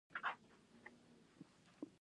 هغې د پاک لرګی په اړه خوږه موسکا هم وکړه.